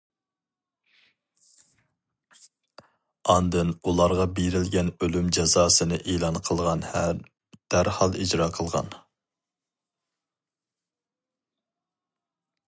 ئاندىن ئۇلارغا بېرىلگەن ئۆلۈم جازاسىنى ئېلان قىلغان ھەم دەرھال ئىجرا قىلغان.